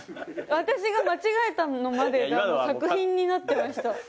私が間違えたものまでが作品になってました。